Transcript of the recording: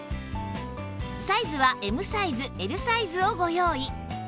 サイズは Ｍ サイズ Ｌ サイズをご用意